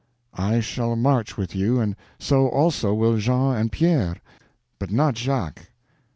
"I shall march with you, and so also will Jean and Pierre, but not Jacques."